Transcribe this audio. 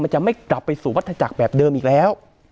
จะไม่กลับไปสู่วัตถจักรแบบเดิมอีกแล้ว